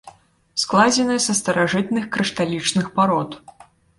Складзены са старажытных крышталічных парод.